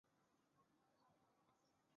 拉米兰迪亚是巴西巴拉那州的一个市镇。